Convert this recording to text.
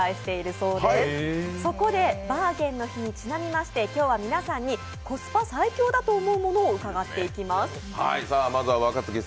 そこでバーゲンの日にちなみまして、今日は皆さんにコスパ最強だと思うものを伺っていきます。